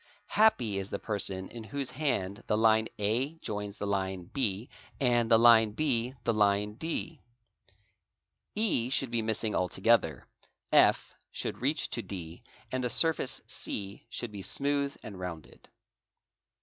Happy is the person in whose hand the line A _ joins the line B and the line B the line D; E should be missing altogether, _ F should reach to D, and the surface C should be smooth and rounded.